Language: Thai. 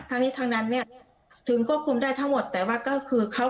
ทั้งนี้ทั้งนั้นเนี่ยถึงควบคุมได้ทั้งหมดแต่ว่าก็คือเขา